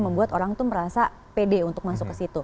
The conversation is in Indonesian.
membuat orang itu merasa pede untuk masuk ke situ